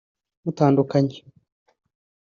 mutandukanye